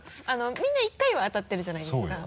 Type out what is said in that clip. みんな１回は当たってるじゃないですか。